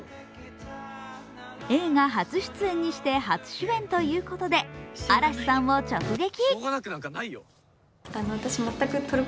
映画初出演にして初主演ということで、嵐さんを直撃。